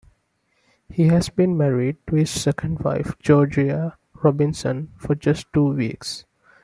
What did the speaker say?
He had been married to his second wife, Georgia Robinson, for just two weeks.